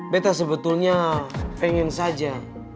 betta sebetulnya pengen saja